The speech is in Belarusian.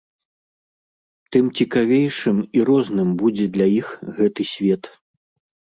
Тым цікавейшым і розным будзе для іх гэты свет.